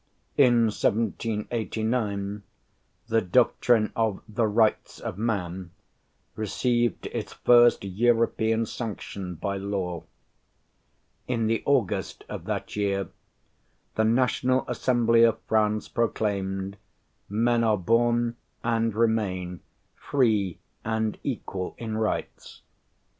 In 1789 the doctrine of the "Rights of Man" received its first European sanction by law; in the August of that year the National Assembly of France proclaimed: "Men are born, and remain, free and equal in rights....